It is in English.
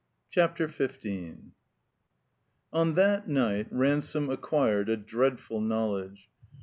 CHAPTER XV ON that night Ransome acquired a dreadful knowledge.